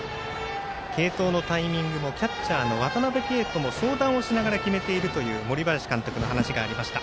継投のタイミングもキャッチャーの渡辺憩と相談をしながら決めている森林監督のお話がありました。